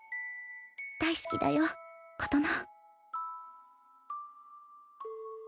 大好きだよ琴乃」。